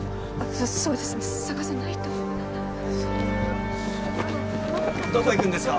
そうですね探さないとどこ行くんですか？